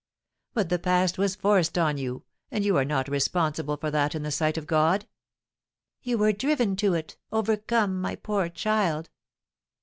"But the past was forced on you, and you are not responsible for that in the sight of God!" "You were driven to it overcome my poor child!"